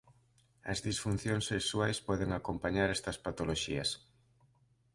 As disfuncións sexuais poden acompañar estas patoloxías.